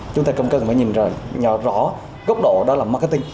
chúng ta cần phải nhìn rõ gốc độ đó là marketing